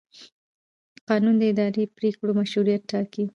قانون د اداري پرېکړو مشروعیت ټاکي.